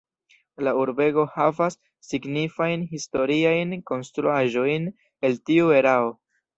La urbego havas signifajn historiajn konstruaĵojn el tiu erao.